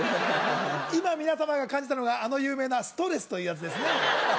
今皆様が感じたのがあの有名なストレスというやつですね